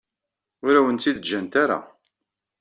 Ur awen-tt-id-ǧǧant ara.